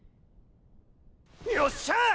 よっしゃ！